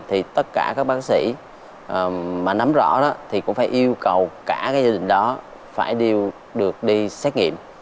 thì tất cả các bác sĩ mà nắm rõ đó thì cũng phải yêu cầu cả gia đình đó phải đều được đi xét nghiệm